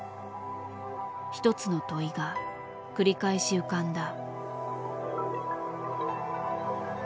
一つの問いが繰り返し浮かんだ。